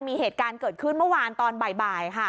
มีเหตุการณ์เกิดขึ้นเมื่อวานตอนบ่ายค่ะ